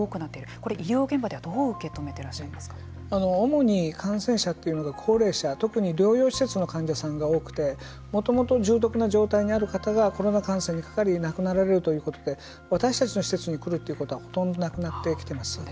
これ、医療現場ではどう主に感染者というのが高齢者、特に療養施設の患者さんが多くてもともと重篤な状態にある方がコロナ感染にかかり亡くなられるということで私たちの施設に来るということはほとんどなくなってきてます。